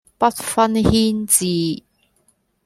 不分軒輊